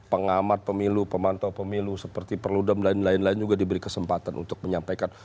pengamat pemilu pemantau pemilu seperti perludem dan lain lain juga diberi kesempatan untuk menyampaikan